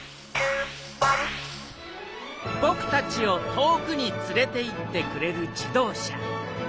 ぼくたちを遠くにつれていってくれる自動車。